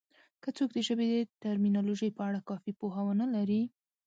که څوک د ژبې د ټرمینالوژي په اړه کافي پوهه ونه لري